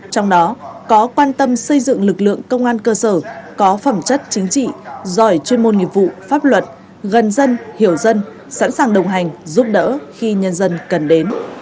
trong đó có quan tâm xây dựng lực lượng công an cơ sở có phẩm chất chính trị giỏi chuyên môn nghiệp vụ pháp luật gần dân hiểu dân sẵn sàng đồng hành giúp đỡ khi nhân dân cần đến